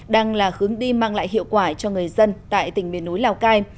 đang là hướng đi mang lại hiệu quả cho người dân tại tỉnh miền núi lào cai